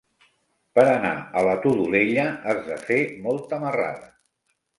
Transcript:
Per anar a la Todolella has de fer molta marrada.